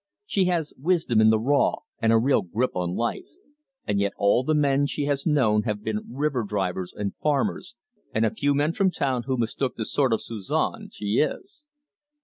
She has wisdom in the raw, and a real grip on life, and yet all the men she has known have been river drivers and farmers, and a few men from town who mistook the sort of Suzon she is.